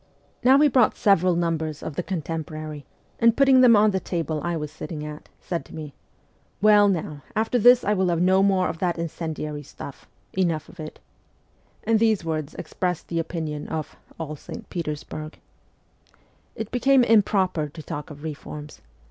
Now he brought several VOL. i. o 194 MEMOIRS OF A REVOLUTIONIST numbers of ' The Contemporary,' and, putting them on the table I was sitting at, said to me :' Well, now, after this I will have no more of that incendiary stuff; enough of it ' and these words expressed the opinion of ' all St. Petersburg.' It became improper to talk of reforms.